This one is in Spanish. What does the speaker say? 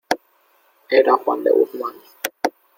era Juan de Guzmán.